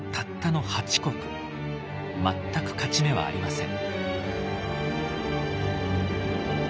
全く勝ち目はありません。